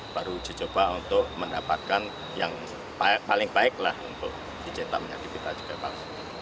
baru dicoba untuk mendapatkan yang paling baiklah untuk dicetak menjadi pita cukai palsu